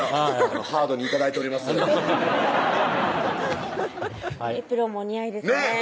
ハードに頂いておりますエプロンもお似合いですねぇねぇ